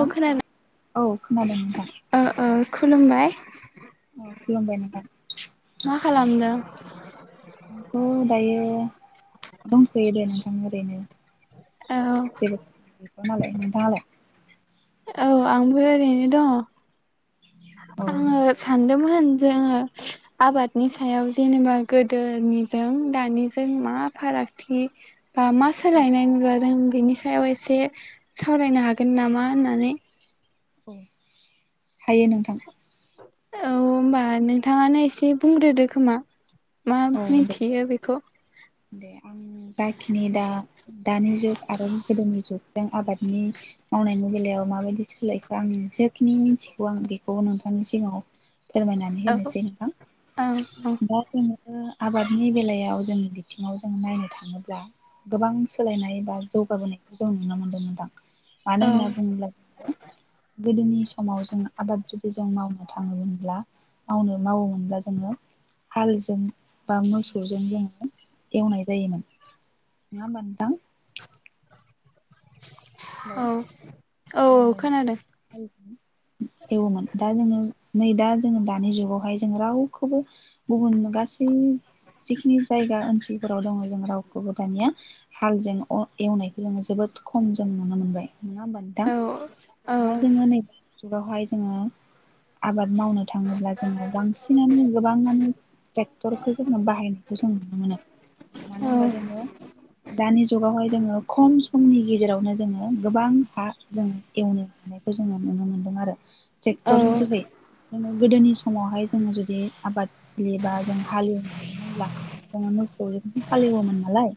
औ खोनादों औ खोनादों नोंथां। ओ ओ खुलुमबाय। खुलुमबाय नोंथां। मा खालामदों आंथ' दायो दंथ'यो दे नोंथां ओरैनो औ जेबो गैखायानालाय नोंथांङालाय औ आंबो ओरैनो दंङ। औ आंङो सानदोंमोन जोंङो आबादनि सायाव जेनेबा गोदोनिजों दानिजों मा फारागथि बा मा सोलायनाय नुजादों बिनि सायाव एसे सावरायनो हागोन नामा होननानै हायो नोंथां औ होमबा नोंथांङानो एसे बुंग्रोदो खोमा मा औ दे मिनथियो बेखौ दे आं जाखिनि दा दानि जुग आरो गोदोनि जुगजों आबादनि मावनायनि बेलायाव माबायदि सोलायखो आं एसे खिनि मिथिगौ आं बेखौ नोंथां नोंथांनि सिगांङाव फोरमायनानै औ होनोसै नोंथां औ दा जोंङो आबादनि बेलायाव जोंनि बिथिंङाव जों नायनो थांङोब्ला गोबां सोलायनाय बा जौगाबोनायखौ जों नुनो मोन्दों नोंथां मानो औ होनना बुंङोब्ला जोंङो गोदोनि समाव जों आबाद जों मावनो थांङोमोनब्ला मावनो मावोमोनब्ला जोंङो हाल जों बा मोसौजों जोंङो एवनाय जायोमोन। नंङा होमबा नोंथां? हेलौ औ औ जोंङो खोनादों एवोमोन दा जोंङो नै दा जोंङो दानि जुगावहाय जों रावखौबो गुबुन गासै जिखिनि जायगा ओनसोलफोराव दंङ जों रावखौबो दानिया हालजों अ एवनायखौ जोंङो जोबोद खम नुनो मोनबाय नंङा होमबा नोंथां? औ औ दा जोंङो नैबे जुगावहाय जोंङो आबाद मावनो थांङोब्ला जोंङो बांसिनानो गोबांङानो ट्रेक्टरखौ जोंङो बाहायनायखौ जों नुनो मोनो मानो होनबा जोंङो दानि जुगावहाय जोंङो खम समनि गेजेराव नो जोंङो गोबां हा जों एवनो हानायखौ जोंङो नुनो मोनदों आरो ट्रेक्टर नि औ जोहै गोदोनि समावहाय जोंङो जुदि आबाद दुब्लि बा जों हालेवोमोनब्ला जोंङो मोसौजों हालेवोमोन नालाय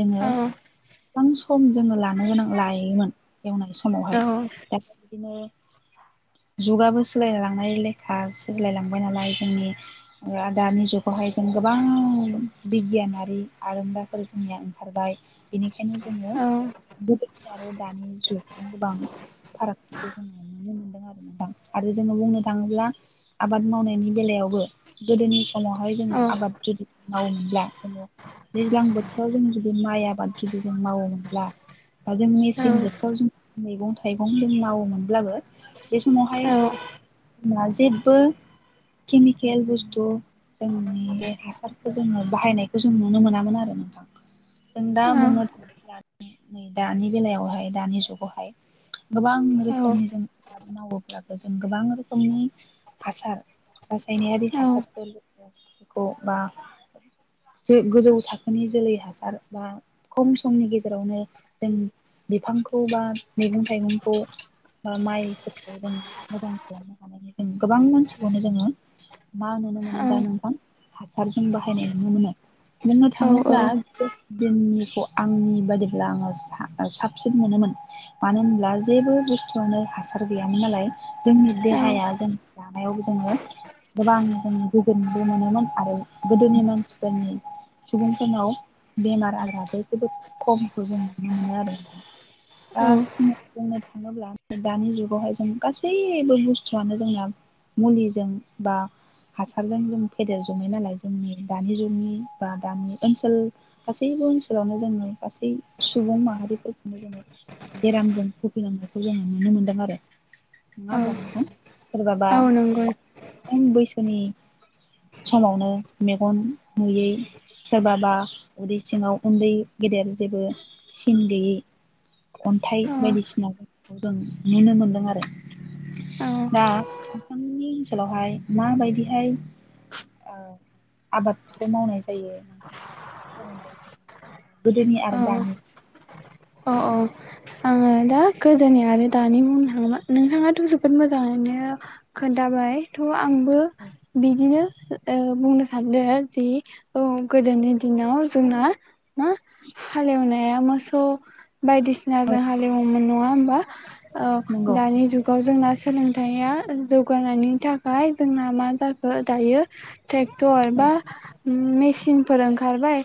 जोंङो गोबां सम जोंङो लानो गोनां लायोमोन एवनाय समावहाय औ दा बिदिनो जुगाबो सोलायलांनाय लेखा सोलायलांबाय नालाय जोंनि आ दानि जुगावहाय जों गोबां बिगियानारि आरोंदाफोर जोंनिया ओंखारबाय बेनिखायनो जोंङो औ आरो दानि जुगजों गोबां फारागफोरखौ जोंङो नुनो मोनदों आरो नोंथां आरो जोंङो बुंनो थांङोब्ला आबाद मावनायनि बेलायावबो गोदोनि समावहाय औ जोंङो आबाद जुदि मावोमोनब्ला जोंङो दैज्लां बोथोराव जों जुदि माइ आबाद जुदि जों मावोमोनब्ला बा जों औ मेसें बोथोराव जों मैगं थाइगं जों मावोमोनब्लाबो बे समावहाय औ जेबो केमिकेल बुस्थु जोंनि बे हासारखौ जोङो बाहायनायखौ जों नुनो मोनामोन आरो नोंथां जों दा औ बुंनो थाङोब्ला [unintelligible] दानि बेलायावहाय दानि जुगावहाय गोबां रोखोमनि जों आबाद मावोब्लाबो जों गोबां रोखोमनि हासार रासायनारि हासारफोरखौ बा गोजौ थाखोनि जोलै हासार बा खम समनि गेजेरावनो जों बिफांखौ बा मैगं थाइगंखौ बा माइफोरखौ जों मोजां खालामनो हानायनि जों गोबां मानसिखौनो जोङो मा नुनो मोनो दा नोंथां हासारजों बाहायनाय नुनो मोनो बुंनो थाङोब्ला दिननिखौ आंनि बादिब्ला आङो हा साबसिन मोनोमोन मानो होनब्ला जेबो बुस्थुआनो हासार गैयामोन नालाय जोंनि देहाया जों हायाव जोङो गोबां जो गोजोनबो मोनोमोन आरो गोदोनि मानसिफोरनि सुबुंफोरनाव बेमार आजाराबो जोबोद खमखौ जों नुनो मोनो आरो आ बुंनो था थाङोब्ला दानि जुगावहाय जों गासैबो बुस्थुआनो जोंना मुलिजों बा हासारजों जों फेदेर जनाय नालाय जोंनि दानि जुगनि बा गामि ओनसोल गासैबो ओनसोलावनो जोङो गासै सुबुं माहारिफोरखौनो जोङो बेरामजों भुगिनांनायखौ जोङो नुनो मोनदों आरो नङा औ होमबा नोंथां सोरबाबा औ नंगौ खम बैसोनि समावनो मेगन नुयै सोरबाबा उदै सिङाव उन्दै गेदेर जेबो सिन गैयै अन्थाइ औ बायदिसिनाखौ जों नुनो मोनदों आरो दा औ नोंथांनि ओनसोलावहाय माबायदिहाय आबादखौ मावनाय जायो नोंथाङा फोर गोुदनि आर औ दानि औ औ आङो दा गोदोननि आरो दानि बुंनो थाङा नोंथाङाथ जोबोद मोजाङैनो खोन्थाबाय थ आंबो बिदिनो ओ बुंनो सानदों जि औ गोदोनि दिनाव जोंना मा हालेवनाया मोसौ बायदिसिना जों हा ओ मोन नङा होमबा औ नंगौ दानि जुगाव जोंना सोलोंथाइया जौगानायनि थाखाय जोंना मा जाखो दायो ट्रेक्टरबा मि मिचिन फोर ओंखारबाय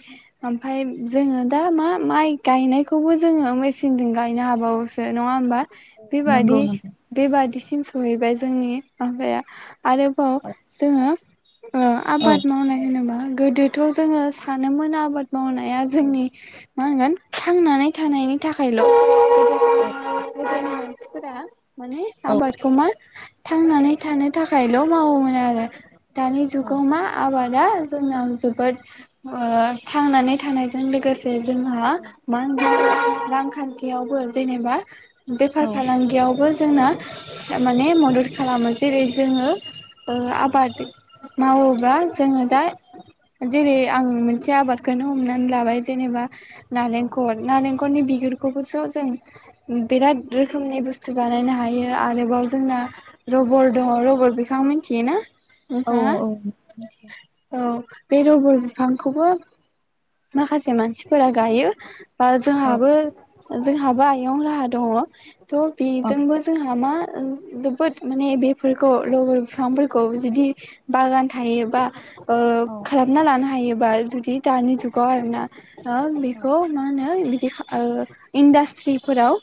ओमफाय जोङो दा मा माइ गायनायखौबो जोङो मचनजों गायनो हाबावो नङा होमबा बेबादि नंगौ नंगौ बेबादिसो थम सहैबाय जोंनि माबाया आरोबाव जोङो ओ औ आबाद मावनाय होनोबा गोदोथ जोङो सानोमोन आबाद गो मावनाया जोंनि मा होनगोन थांनानै थानायनि थाखाय न' फोराुर [unintelligible] माने [unintelligible] थांनानै थानो थाखायल' मावोमोन आरो दानि औ जुगाव मा आबाद दा जोंनाव जोबोद थांनानै थानायजों लोगोसे जोंहा मा होनगोन ां [unintelligible] खान्थियावबो जेनेबा बेफार फालांगियावबो जोंनो माने मदद खालामो जेरै जोङो ओ आबाद मावोब्ला जोङो दा जेरै आं मोनसे आबादखौनो हमनानै लाबाय जेनेबा औ नालेंखर नालेंखर बिगिर बेखौबो थ'जों बिराद रोखोमनि बुस्थु बानायनो हायो आरोबाव जोंना रबर दङ रबर बेखौ आ मिथियोना औ नोंथाङा औ औ बे रबर बिफांखौबो माखासे मानसिफोरा गायो। बा औ जोंहाबो जोंहाबो आयं लाहा दङ थह औ बेजोंबो जोंहा मा जोबोद माने बेफोरखौ लबर बिफांफोरखौ जुदि बागान थायोबा ओ औ खालामना लानो हायो बा जुदि दानि जुग गाव आरोना औ बेखौ मा होनो इनडास्ट्रिफोराव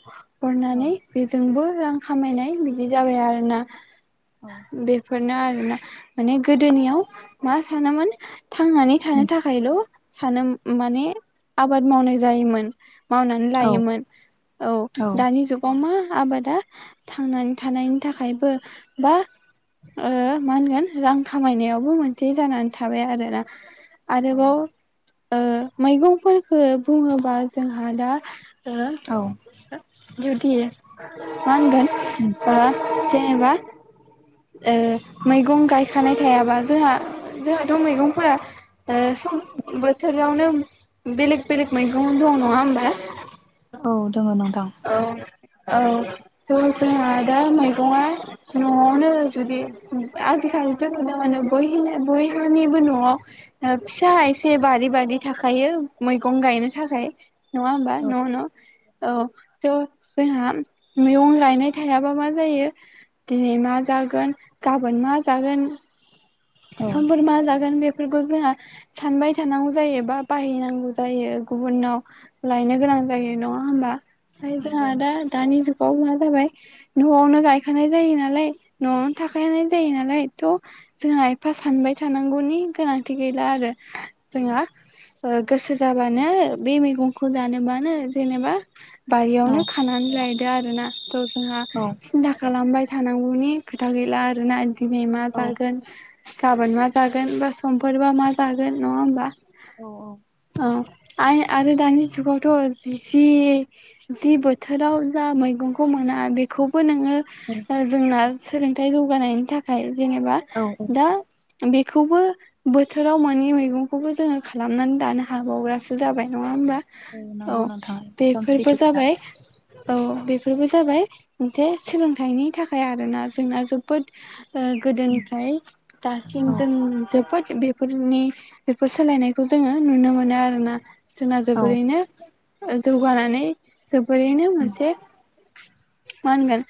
अरनानै बेजोंबो रां खामायनाय बिदि जाबाय आरोना औ बेफोरनो आरोना माने गोदोनियाव मा सानोमोन थांनानै थानो थाखायल' सानो माने आबाद मावनाय जायोमोन मावनानै औ लायोमोन औ दानि जुगाव मा आबादा थांनानै थानायनि थाखायबो बा ओ मा होनगोन रां खामायनायावबो मोनसे जानानै थाबाय आरोना आरोबाव मैगंफोरफोरखो बुङोबा जोंहा दा ओ औ जुदि मा होनगोन ओ जेनेबा ओ मैगं गायखानाय थायाबा जोंहा जोंहाथ' मैगंफोरा सं बोथोरावनो बेलेग-बेलेग मैगं दं नङा होमबा औ दङ नोंथां औ औ थ' जोंहा दा मैगंआ न'आवनो जुदि आजिखालिथ' नुनो मोनो बय-बयहानिबो न'आव फिसा एसे बारि बारि थाखायो मैगं गायनो थाखाय नङा होमबा औ न' न' औ जोंहा मैगं गायनाय थायाबा मा जायो दिनै मा जागोन गाबोन मा जागोन औ समफोर मा जागोन बे बेफोरखौ जोंहा सानबाय थानांगौ जायो बा बायहैनांगौ जायो गुबुनाव लायनो गोनां जायो नङा होमबा ओमफाय नंगौ जोंहा नोंथां दा मा जाबाय न'आवनो गायखानाय जायो नालाय न'आवनो थाखानाय जायो नालाय थ' जोंहा ओ एफा सानबाय थानांगौनि गोनांथि गैला आरो जोंहा ओ - गोसो जाबानो बे मैगं खौ जानबानो जेनेबा औ बारियावनो खानानै लाय दो आरोना थ' जोंहा सिन्था खालामबाय थानांगौनि खोथा गैला आरोना दिनै मा औ जागोन गाबोन मा जागोन बा समफोरबा मा जागोन नङा होमबा औ औ आ आरो दानि जुगावथ' जि जि बोथोराव जा मैगंखौ मोना बेखौबो नों ओ जोंना सोलोंथाइ जौगानायनि थाखाय जेनेबा औ दा बेखौबो बोथोराव मानि मैगंखौबो जोङो खालामनानै दानो हाबावग्रासो जाबाय नङा होमबा औ नंगौ नों थाङा एखदम बेफोरबो सैथो खोथा जाबाय औ बेफोरबो जाबाय मोनसे सोलोंथाइनि थाखाय आरोना जोंना जोबोद ओ गोदोनिफ्राय औ दसिमजों जों बेफोर बेफोरनि बेफोर सोलायनायखौ जोङो नुनो मोनो आरोना जोंना औ जोबोरैनो जौगानानै जो फोरनिनो मोनसे मानगोन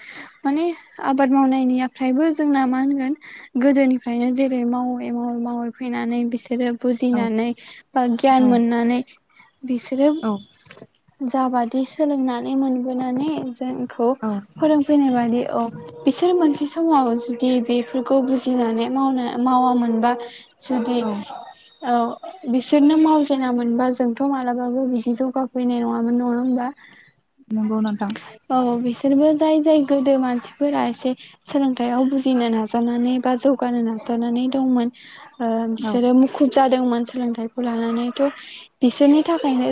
माने आबाद मावनायनायनि फ्रायबो जोंना मा होनगोन गोदोनि फ्रायायनो जेरै मावै मावै मावै फैनानै बिसोरो औ बुजिनानै बा गियान मोननानै बिसोरो औ जाबादि सोलोंनानै मोनबोनानै जोंखौ औ फोरोंफैनाय बायदि अ बिसोर मोनसे समाव जुदि बेफोरखौ बुजिनानै मावनो मावा मोनबा जुदि औ औ बिसोरनो मावजेना मोनबा जोंथ' मालाबाबो बिदि जौगाफैनाय नङामोन नङा होमबा नोंगौ नोंथां औ बिसोरबो जाय जाय गोदो मानसिफोरा एसे सोलोंथायाव बुजिनो नाजानानै बा जौ गानो नाजानानै दंमोन ओ औ बिसोरो मुखु जादोंमोन सोलोंथाइखौ लानानैथ' बिसोरनि थाखायनो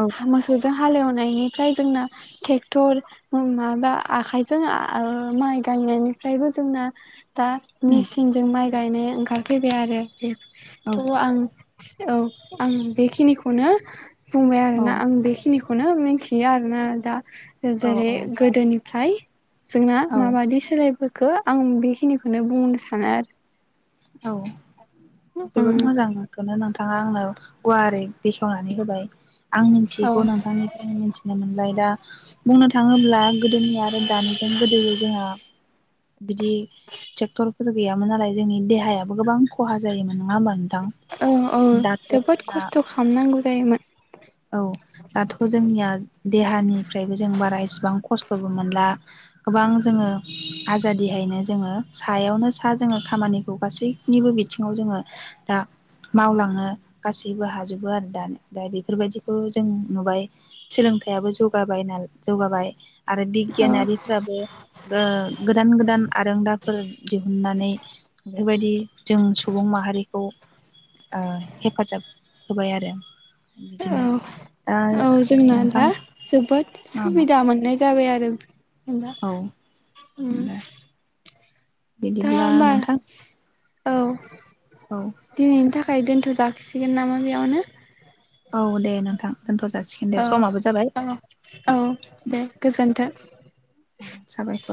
औ [unintelligible] हालेवनायनिफ्राय जोंना ट्रेक्टर माबा आखाइजों ओ माइ गायनायनिफ्रायबो जोंना दा औ मेसिनजों माइ गायनाय फैबाय आरो औ थ' आं औ आं बेखिनिखौनो बुंबाय आरोना आं बेखिनि खौनो मिन्थियो आरोना दा। औ जेरै गोदोनिफ्राय जोंना औ माबादि सोलाय फोरखो आं बेखिनिखौनो बुंनो सानो आरो। औ जोबोद उम मोजांखौनो नां नाङा आंनो गुवारै बेखेवनानै होबाय। आं औ मिथियैखौ नोंथांनिफ्राय आं मिथिनो मोनबाय दा बुंनो थाङोब्ला गोदोनि आरो दानिजों गोदो जोंहा बिदि ट्रेक्टरफोर गैयामोन नालाय, जोंनि देहा देहायाबो गोबां खहा जायोमोन नङा होनबा नों औ औ जोबोद खस्थ' खालामनांगौ जायोमोन। औ दाथ' जोंनिया देहानिफ्रायबो जों बारा इसिबां खस्थ'बो मोनला, गोबां जोङो आजादिहायनो जोङो सायावनो सा जोङो खामानिखौ गासैनिबो बिथिङाव जोङो दा मावलाङो। गासैबो हाजोबो आरो दानो दा बेफोरबायदि खौ‌ जों नुबाय सोलोंथाइआबो जौगाबायना जौगाबाय आरो औ बिगियानारिफ्राबो ओ गोदान गोदान आरोंदाफोर दिहुननानै बेफोरबायदि जों सुबुं माहारिखौ ओ हेफाजाब होबाय आरो। बिदिनो दा औ जोंना नोंथां दा जोबोद औ सुबिदा मोननाय जाबाय आरो जेनबा औ ओम दे दा बिदिब्ला होमबा नोंथां औ। औ दे नोंथां ‌। फमाय दोनथ'जागसिगोन नामा बेयावनो? औ दे नोंथां। दोनथ' जासिगोन दे औ समाबो जाबाय औ औ दे गोजोन्थों। [inaudible] साबायखर